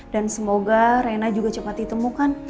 dan semoga reina juga cepat ditemukan